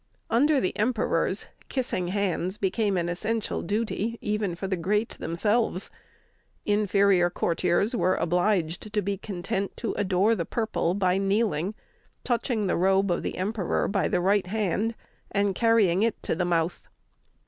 Under the emperors, kissing hands became an essential duty, even for the great themselves; inferior courtiers were obliged to be content to adore the purple by kneeling, touching the robe of the emperor by the right hand, and carrying it to the mouth.